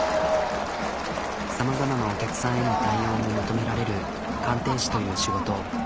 さまざまなお客さんへの対応も求められる鑑定士という仕事。